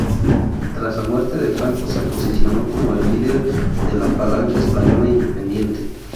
Tras la muerte de Franco se posicionó como líder de la Falange Española Independiente.